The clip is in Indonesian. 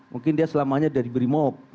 mungkin dia selamanya diberimok